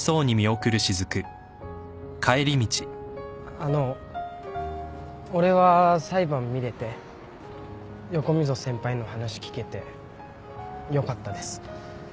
あの俺は裁判見れて横溝先輩の話聞けてよかったです。